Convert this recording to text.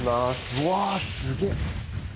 うわすげっ。